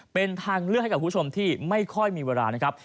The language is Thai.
เป็นทางเลือกให้กับคุณผู้ชมที่ไม่ค่อยมีเวลานะครับ